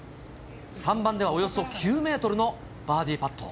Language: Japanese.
３番ではおよそ９メートルのバーディーパット。